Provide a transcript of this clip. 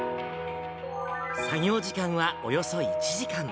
作業時間はおよそ１時間。